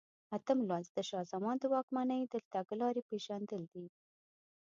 اتم لوست د شاه زمان د واکمنۍ تګلارې پېژندل دي.